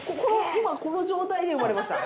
今のこの状態で生まれました。